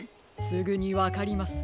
すぐにわかります。